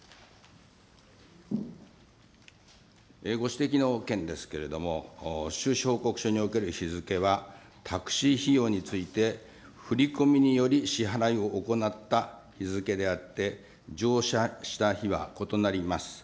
ご指摘の件ですけれども、収支報告書における日付はタクシー費用について振り込みにより支払いを行った日付であって、乗車した日は異なります。